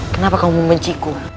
kenapa kamu membenciku